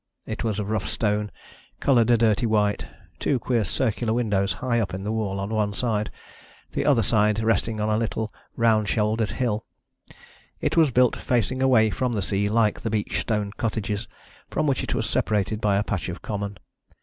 It was of rough stone, coloured a dirty white, with two queer circular windows high up in the wall on one side, the other side resting on a little, round shouldered hill. It was built facing away from the sea like the beach stone cottages, from which it was separated by a patch of common.